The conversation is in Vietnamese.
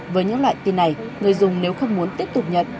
với những loại tin này người dùng nếu không muốn tiếp tục nhận